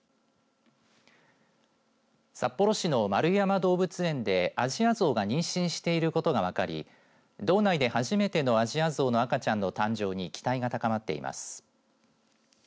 札幌市の円山動物園でアジアゾウが妊娠していることが分かり道内で初めてのアジアゾウの赤ちゃんの誕生に期待が高まっています。